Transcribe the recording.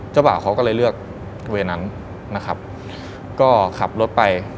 บ่าวเขาก็เลยเลือกเวย์นั้นนะครับก็ขับรถไป